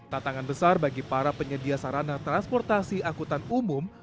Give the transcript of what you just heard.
tatangan besar bagi para penyedia sarana transportasi angkutan umum